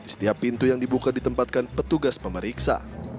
setiap pintu yang dibuka ditempatkan petugas pemeriksa